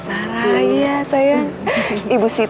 tuh dengerin enggak kayaknya aku masih betah disini